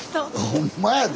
ほんまやで。